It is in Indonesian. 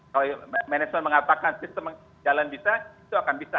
kalau manajemen mengatakan sistem jalan bisa itu akan bisa